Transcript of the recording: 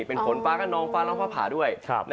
เป็นฝนฟ้ากระนองฟ้าร้องฟ้าผ่าด้วย